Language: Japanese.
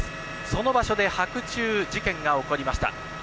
その場所で白昼、事件が起こりました。